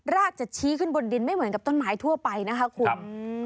รากจะชี้ขึ้นบนดินไม่เหมือนกับต้นไม้ทั่วไปนะคะคุณ